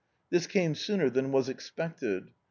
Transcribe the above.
This came sooner than was expected.